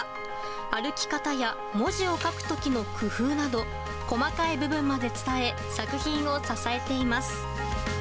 歩き方や文字を書く時の工夫など細かい部分まで伝え作品を支えています。